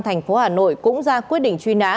thành phố hà nội cũng ra quyết định truy nã